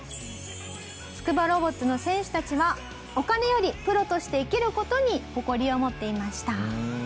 つくばロボッツの選手たちはお金よりプロとして生きる事に誇りを持っていました。